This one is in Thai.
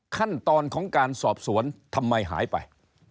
ขั้นตอนของการสอบสวนทำไมหายไป